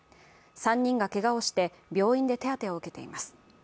３人がけがをして病院で手当てを受けています。